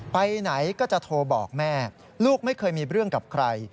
ไปไหนก็จะโทรบอกแม่ลูกไม่เคยมีเรื่องกับใคร